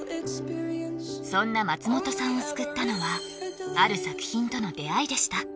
そんな松本さんを救ったのはある作品との出会いでした